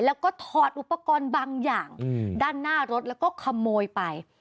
แล้วก็ถอดอุปกรณ์บางอย่างด้านหน้ารถแล้วก็ขโมยไป